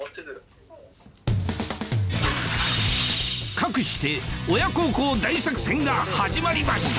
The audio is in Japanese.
かくして親孝行大作戦が始まりました